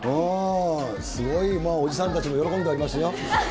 すごいおじさんたちも喜んでおりますよ。